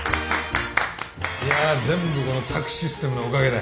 いや全部この宅・システムのおかげだよ。